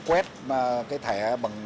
quét cái thẻ bằng